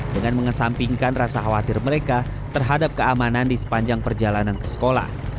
dengan mengesampingkan rasa khawatir mereka terhadap keamanan di sepanjang perjalanan ke sekolah